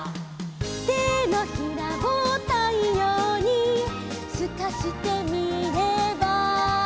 「てのひらをたいようにすかしてみれば」